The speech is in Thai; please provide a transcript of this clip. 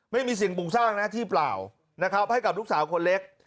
ไม่มีสิ่งปลูกสร้างนะที่เปล่านะครับให้กับลูกสาวคนเล็ก